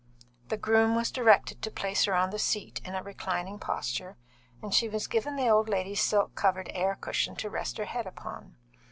The groom was directed to place her on the seat, in a reclining posture, and she was given the old lady's silk covered air cushion to rest her head upon.